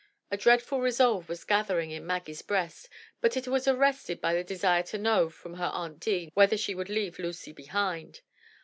A dreadful resolve was gathering in Maggie's breast, but it was arrested by the desire to know from her aunt Deane whether she would leave Lucy behind.